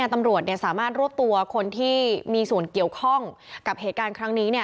ตำรวจสามารถรวบตัวคนที่มีส่วนเกี่ยวข้องกับเหตุการณ์ครั้งนี้